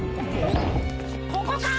ここか！